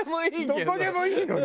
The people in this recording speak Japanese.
どこでもいいけど。